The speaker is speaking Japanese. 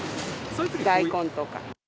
大根とか。